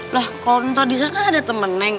lah kalau nanti disana kan ada temen neng